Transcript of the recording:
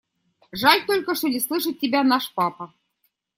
Жаль только, что не слышит тебя наш папа.